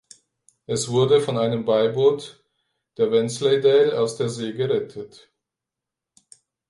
Er wurde von einem Beiboot der "Wensleydale" aus der See gerettet.